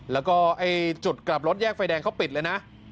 แล้วก็จุดกลับรถแยกไฟแดงเขาปิดเลยนะ